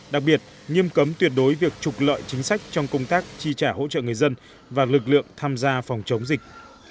đặc biệt nghiêm cấm tuyệt đối việc trục lợi chính sách trong công tác chi trả hỗ trợ người dân và lực lượng tham gia phòng chống dịch